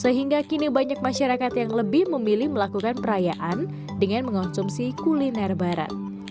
sehingga kini banyak masyarakat yang lebih memilih melakukan perayaan dengan mengonsumsi kuliner barat